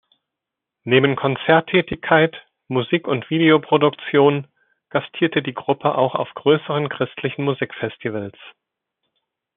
Neben Konzerttätigkeit, Musik- und Videoproduktion, gastierte die Gruppe auch auf größeren christlichen Musik-Festivals.